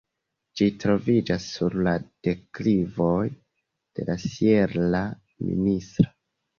Ĝi troviĝas sur la deklivoj de la sierra Ministra.